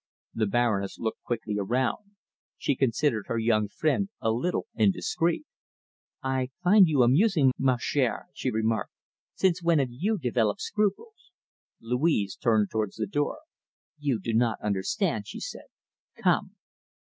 The Baroness looked quickly around. She considered her young friend a little indiscreet. "I find you amusing, ma chère," she remarked. "Since when have you developed scruples?" Louise turned towards the door. "You do not understand," she said. "Come!"